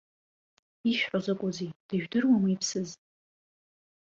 Ишәҳәо закәызеи, дыжәдыруама иԥсыз!